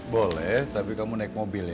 boleh tapi kamu naik mobil ya